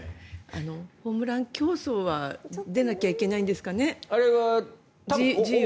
ホームラン競争は出なきゃいけないんですかね。